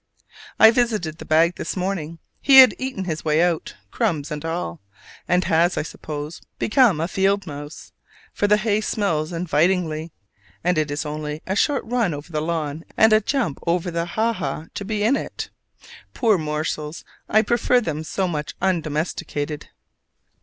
I visited the bag this morning: he had eaten his way out, crumbs and all: and has, I suppose, become a fieldmouse, for the hay smells invitingly, and it is only a short run over the lawn and a jump over the ha ha to be in it. Poor morsels, I prefer them so much undomesticated!